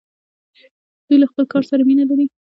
دوی له خپل کار سره مینه لري.